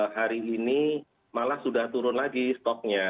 hari ini malah sudah turun lagi stoknya